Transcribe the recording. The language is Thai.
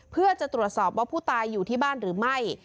เพื่อจะตรวจสอบว่าผู้ตายอยู่ที่บ้านหรือไม่